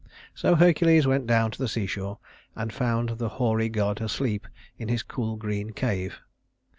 So Hercules went down to the seashore, and found the hoary god asleep in his cool green cave.